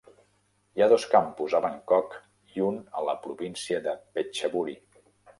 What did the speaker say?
Hi ha dos campus a Bangkok i un a la província de Phetchaburi.